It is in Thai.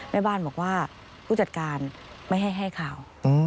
แม่บ้านบอกว่าผู้จัดการไม่ให้ข่าว